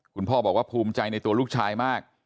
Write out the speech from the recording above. คุณพ่อบอกว่าภูมิใจในตัวลูกชายมาก